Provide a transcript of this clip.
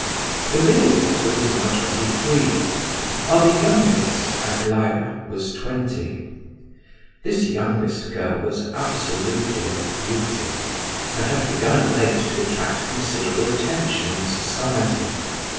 The middle daughter was now twenty three, while the youngest, Aglaya, was twenty. This youngest girl was absolutely a beauty, and had begun of late to attract considerable attention in society.